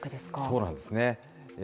そうなんですね。